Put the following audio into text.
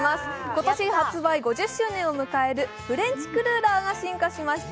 今年発売５０周年を迎えるフレンチクルーラーが進化しました。